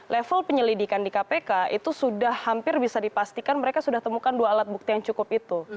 level penyelidikan di kpk itu sudah hampir bisa dipastikan mereka sudah temukan dua alat bukti yang cukup itu